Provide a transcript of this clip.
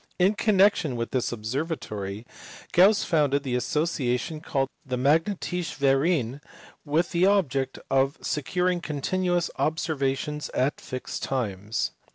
In connection with this observatory Gauss founded the association called the Magnetische Verein with the object of securing continuous observations at fixed times.